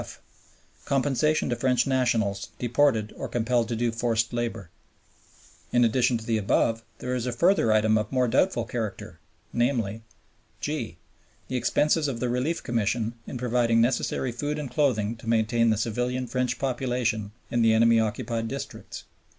(f) Compensation to French nationals deported or compelled to do forced labor. In addition to the above there is a further item of more doubtful character, namely (g) The expenses of the Relief Commission in providing necessary food and clothing to maintain the civilian French population in the enemy occupied districts.